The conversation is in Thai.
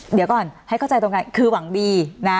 เดี๋ยวก่อนให้เข้าใจตรงกันคือหวังดีนะ